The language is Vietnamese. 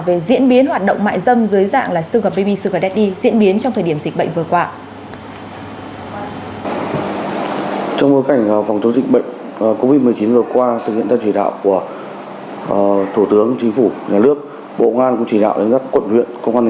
về diễn biến hoạt động mại dâm dưới dạng là suga baby suga daddy